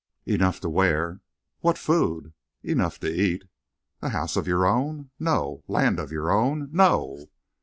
"Enough to wear." "What food?" "Enough to eat." "A house of your own?" "No." "Land of your own?" "No."